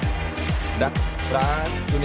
อันดับสุดท้ายของมันก็คือ